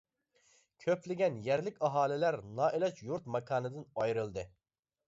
كۆپلىگەن يەرلىك ئاھالىلەر نائىلاج يۇرت-ماكانىدىن ئايرىلدى.